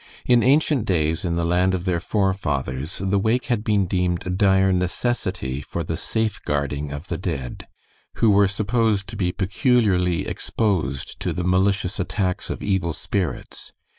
In ancient days, in the land of their forefathers, the wake had been deemed a dire necessity for the safeguarding of the dead, who were supposed to be peculiarly exposed to the malicious attacks of evil spirits.